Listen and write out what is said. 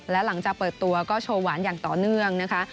และหลังจากเปิดตัวก็โชว์หวานอย่างต่อเนื่องนะคะ